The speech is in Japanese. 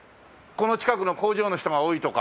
この近くの工場の人が多いとか。